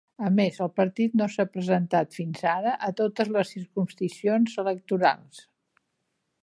A més, el partit no s'ha presentat fins ara a totes les circumscripcions electorals.